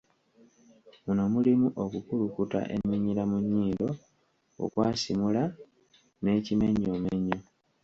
Muno mulimu okukulukuta eminyira mu nnyindo, okwasimula n’ekimenyomenyo.